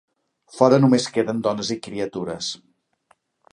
Fora només queden dones i criatures.